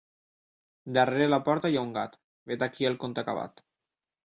Darrere la porta hi ha un gat, vet aquí el conte acabat.